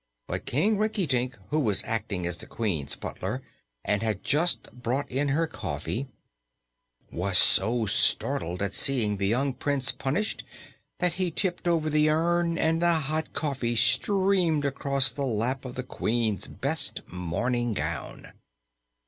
But King Rinkitink, who was acting as the queen's butler and had just brought in her coffee, was so startled at seeing the young Prince punished that he tipped over the urn and the hot coffee streamed across the lap of the Queen's best morning gown.